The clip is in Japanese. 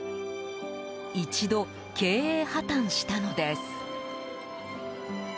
一度、経営破綻したのです。